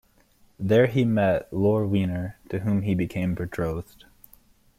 There he met Lore Weiner, to whom he became betrothed.